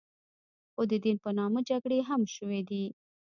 خو د دین په نامه جګړې هم شوې دي.